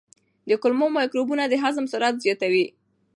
د کولمو مایکروبونه د هضم سرعت زیاتوي.